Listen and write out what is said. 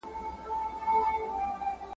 امان الله تابان بسم الله حقمل